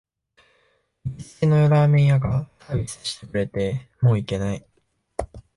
行きつけのラーメン屋がサービスしてくれて、もう行けない